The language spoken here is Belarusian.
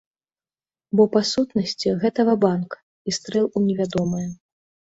Бо, па сутнасці, гэта ва-банк і стрэл у невядомае.